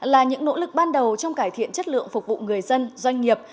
là những nỗ lực ban đầu trong cải thiện chất lượng phục vụ người dân doanh nghiệp